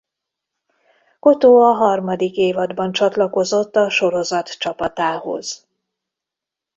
Coto a harmadik évadban csatlakozott a sorozat csapatához.